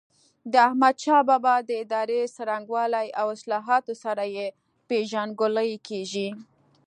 د احمدشاه بابا د ادارې څرنګوالي او اصلاحاتو سره یې پيژندګلوي کېږي.